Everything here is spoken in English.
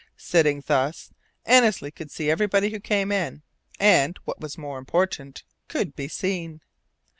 Sitting thus, Annesley could see everybody who came in, and what was more important could be seen.